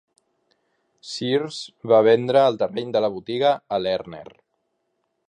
Sears va vendre el terreny de la botiga a Lerner.